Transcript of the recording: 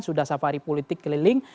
sudah safari politik keliling